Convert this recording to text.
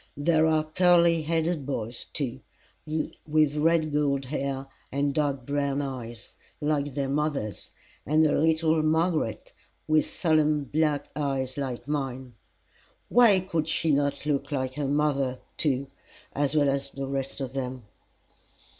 There are curly headed boys, too, with red gold hair and dark brown eyes like their mother's, and a little Margaret, with solemn black eyes like mine. Why could not she look like her mother, too, as well as the rest of them?